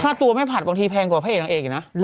ถ้าตัวไม่ผลัดบางทีแพงกว่าพระเอกอย่างนั้น